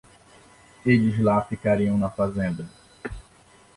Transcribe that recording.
Eles lá ficariam nas fazendas.